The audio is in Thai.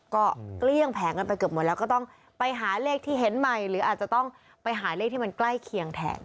ก็เกลี้ยงแผงกันไปเกือบหมดแล้วก็ต้องไปหาเลขที่เห็นใหม่หรืออาจจะต้องไปหาเลขที่มันใกล้เคียงแทน